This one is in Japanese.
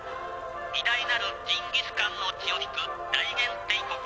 偉大なるジンギスカンの血を引く大元帝国。